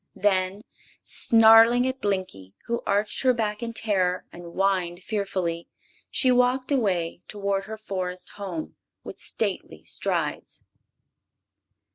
Then snarling at Blinkie, who arched her back in terror and whined fearfully, she walked away toward her forest home with stately strides.